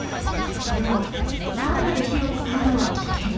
でもサウナで火を使うのは危険。